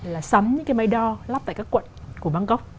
là sắm những cái máy đo lắp tại các quận của bangkok